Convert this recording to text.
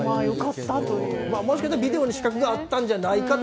もしかしたらビデオに死角があったんじゃないかと。